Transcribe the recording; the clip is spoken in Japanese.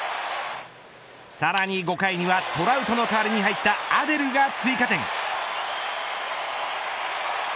さらに５回にはトラウトの代わりに入ったアデルが追加点。